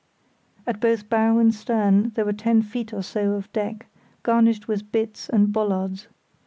At both bow and stern there were ten feet or so of deck, garnished with bitts and bollards.